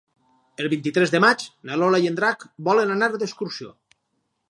El vint-i-tres de maig na Lola i en Drac volen anar d'excursió.